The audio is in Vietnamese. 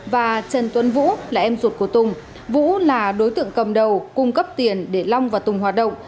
và trần tuấn vũ là em ruột của tùng vũ là đối tượng cầm đầu cung cấp tiền để long và tùng hoạt động